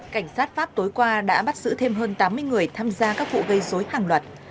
cảnh sát pháp tối qua đã bắt giữ thêm hơn tám mươi người tham gia các vụ gây dối hàng loạt